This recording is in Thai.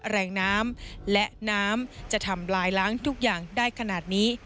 แรงน้ำและน้ำจะทำลายล้างทุกอย่างได้ขนาดนี้